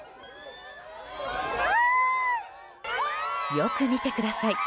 よく見てください。